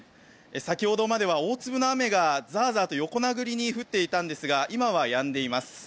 先ほどまでは大粒の雨がザーザーと横殴りに降っていたんですが今はやんでいます。